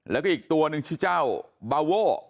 แล้วก็อีกตัวหนึ่งชื่อเจ้าบาโว่